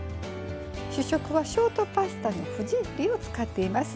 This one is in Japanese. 主食はショートパスタのフジッリを使っています。